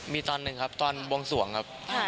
มีตอนหนึ่งครับตอนบวงสวงครับ